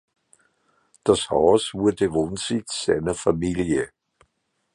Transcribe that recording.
Das Haus wurde Wohnsitz seiner Familie.